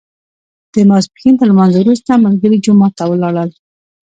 د ماسپښین تر لمانځه وروسته ملګري جومات ته ولاړل.